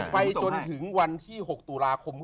ไปจนถึงวันที่๖ตุลาคม